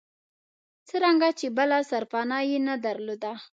څرنګه چې بله سرپناه یې نه درلوده.